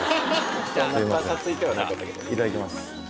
いただきます。